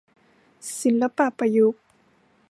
ศิลปะประยุกต์